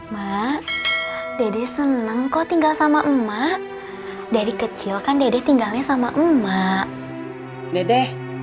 mar dede senang kok tinggal sama emak dari kecil kan dede tinggalnya sama emak dede